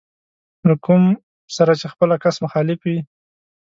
له کوم سره چې خپله کس مخالف وي.